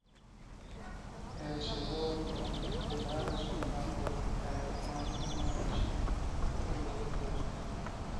Eger şeýle bolsa onda siziň darajyk azatlygyňyz ägirt many ummanyny içine sygdyryp biler.